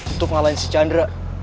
untuk ngalahin si chandra